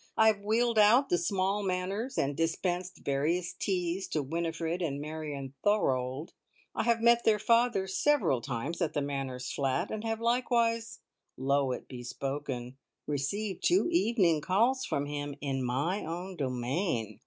I have wheeled out the small Manners, and dispensed various teas to Winifred and Marion Thorold. I have met their father several times at the Manners' flat, and have likewise low be it spoken received two evening calls from him in my own domain.